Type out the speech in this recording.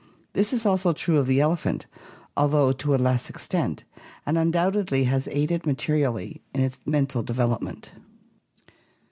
This is also true of the elephant, although to a less extent, and un doubtedly has aided mate . rially in its mental develop ment.